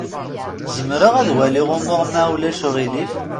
Zemreɣ ad waliɣ umuɣ, ma ulac aɣilif?